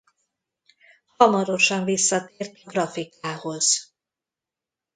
Hamarosan visszatért a grafikához.